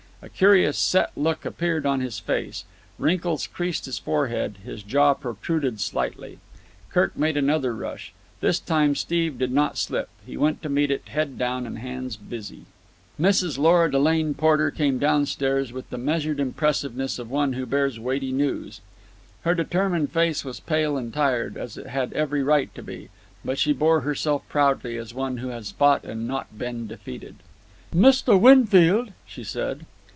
A curious, set look appeared on his face; wrinkles creased his forehead; his jaw protruded slightly. Kirk made another rush. This time Steve did not slip; he went to meet it, head down and hands busy. Mrs. Lora Delane Porter came downstairs with the measured impressiveness of one who bears weighty news. Her determined face was pale and tired, as it had every right to be; but she bore herself proudly, as one who has fought and not been defeated. "Mr. Winfield," she said.